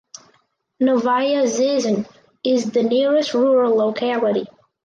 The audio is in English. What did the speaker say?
Novaya Zhizn is the nearest rural locality.